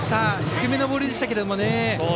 低めのボールでしたけどもね。